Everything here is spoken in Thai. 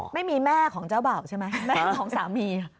ไม่มีแม่ของเจ้าบ่าวใช่ไหมแม่ของสามี